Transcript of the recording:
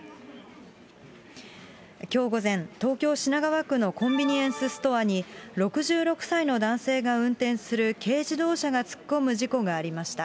きょう午前、東京・品川区のコンビニエンスストアに、６６歳の男性が運転する軽自動車が突っ込む事故がありました。